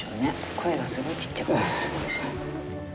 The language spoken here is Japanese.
声がすごいちっちゃくなります。